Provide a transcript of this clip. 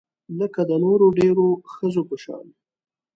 لکه د نورو ډیرو ښځو په شان